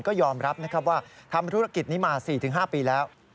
ก็ยอมรับนะครับว่าทำธุรกิจนี้มา๔๕ปีแล้ว